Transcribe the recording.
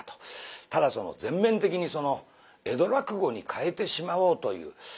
ただ全面的にその江戸落語にかえてしまおうという。